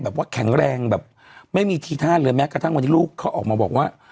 แบบว่าแข็งแรงแบบไม่มีทีท่าเลยแม้กระทั่งวันนี้ลูกเขาออกมาบอกว่า